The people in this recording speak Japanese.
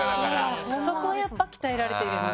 そこはやっぱ鍛えられてるんで。